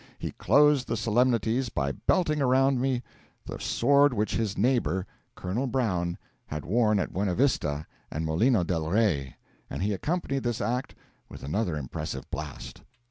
He closed the solemnities by belting around me the sword which his neighbour, colonel Brown, had worn at Buena Vista and Molino del Rey; and he accompanied this act with another impressive blast.